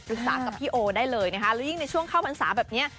กับพี่โอได้เลยนะคะแล้วยิ่งในช่วงเข้าพรรษาแบบนี้